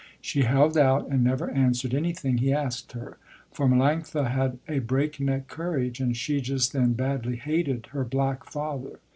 She held out and never answered anything he asked her, for Melanctha had a breakneck courage and she just then badly hated her black father.